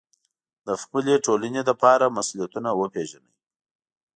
د خپلې ټولنې لپاره مسوولیتونه وپېژنئ.